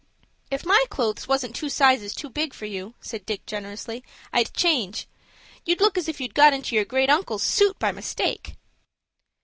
"If my clothes wasn't two sizes too big for you," said Dick, generously, "I'd change. You'd look as if you'd got into your great uncle's suit by mistake."